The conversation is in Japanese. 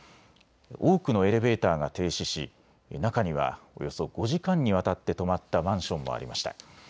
多くのエレベーターが停止し中にはおよそ５時間にわたって止まったマンションもありました。